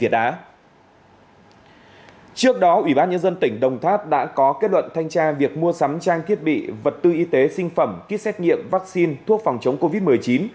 trước đó ủy ban nhân dân tỉnh đồng tháp đã có kết luận thanh tra việc mua sắm trang thiết bị vật tư y tế sinh phẩm kýt xét nghiệm vaccine thuốc phòng chống covid một mươi chín